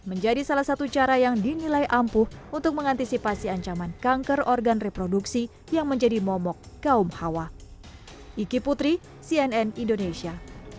menjadi salah satu cara yang dinilai ampuh untuk mengantisipasi ancaman kanker organ reproduksi yang menjadi momok kaum hawa